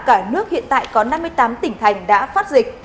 cả nước hiện tại có năm mươi tám tỉnh thành đã phát dịch